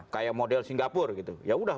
kayak model singapura gitu ya udah